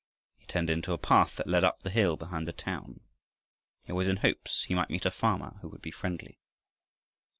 He turned into a path that led up the hill behind the town. He was in hopes he might meet a farmer who would be friendly.